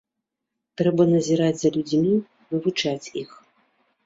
Трэба назіраць за людзьмі, вывучаць іх.